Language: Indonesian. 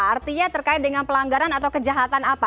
artinya terkait dengan pelanggaran atau kejahatan apa